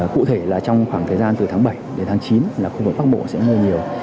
cụ thể là trong khoảng thời gian từ tháng bảy đến tháng chín là khu vực bắc bộ sẽ mưa nhiều